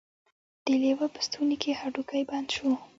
د لیوه په ستوني کې هډوکی بند شو.